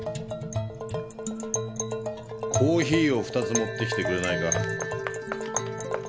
コーヒーを二つ持ってきてくれないか。